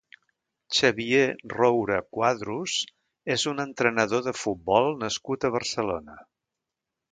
Xavier Roura Cuadros és un entrenador de futbol nascut a Barcelona.